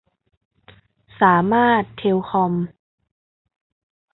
สามารถเทลคอม